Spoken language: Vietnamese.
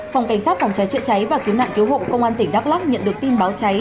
phòng cảnh sát phòng trái chữa cháy và kiếm nạn cứu hộ công an tỉnh đắk lắc nhận được tin báo cháy